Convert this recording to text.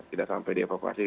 tidak sampai di evakuasi